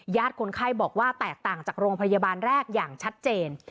คนไข้บอกว่าแตกต่างจากโรงพยาบาลแรกอย่างชัดเจน